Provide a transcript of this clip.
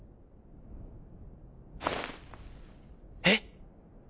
「えっ！？」。